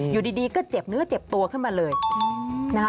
อยู่ดีก็เจ็บเนื้อเจ็บตัวขึ้นมาเลยนะคะ